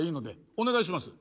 お願いします。